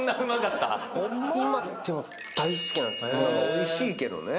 おいしいけどね。